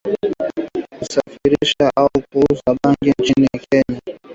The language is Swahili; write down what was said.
kusafirisha au kuuza bangi nchini Kenya